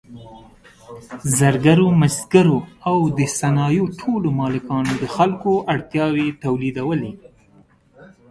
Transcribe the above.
زرګرو، مسګرو او د صنایعو ټولو مالکانو د خلکو اړتیاوې تولیدولې.